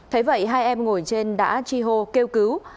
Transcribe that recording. thế vậy hai em ngồi trên đã chi hô kêu cứu